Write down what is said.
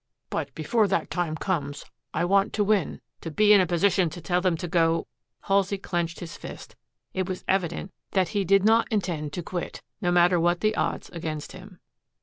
But before that time comes I want to win, to be in a position to tell them to go " Halsey clenched his fist. It was evident that he did not intend to quit, no matter what the odds against him.